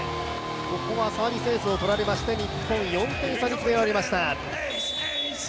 ここはサービスエースを取られまして、日本、４点差に詰められました。